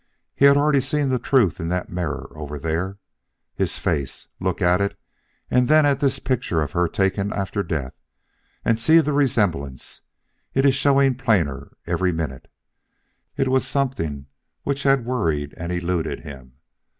He had already seen the truth in that mirror over there. His face look at it and then at this picture of her taken after death, and see the resemblance! It is showing plainer every minute. It was the something which had worried and eluded him.